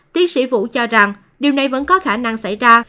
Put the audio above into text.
tiến sĩ vũ cho rằng điều này vẫn có khả năng xảy ra